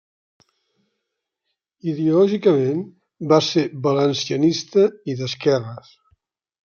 Ideològicament va ser valencianista i d'esquerres.